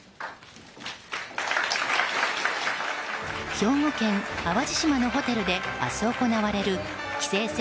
兵庫県淡路島のホテルで明日、行われる棋聖戦